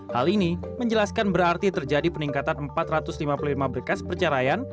hal ini menjelaskan berarti terjadi peningkatan empat ratus lima puluh lima berkas perceraian